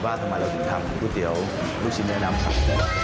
ว่าทำไมเราถึงทำก๋วยเตี๋ยวลูกชิ้นเนื้อน้ำใส